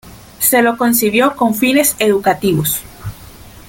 Se lo concibió con fines educativos.